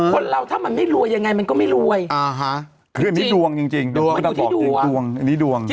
คนเราถ้ามันไม่รวยยังไงมันก็ไม่รวยคืออันนี้ดวงจริงมันอยู่ที่ดวง